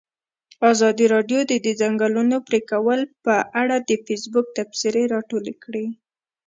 ازادي راډیو د د ځنګلونو پرېکول په اړه د فیسبوک تبصرې راټولې کړي.